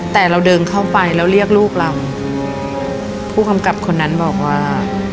แต่เราเดินเข้าไปแล้วเรียกลูกเราผู้กำกับคนนั้นบอกว่า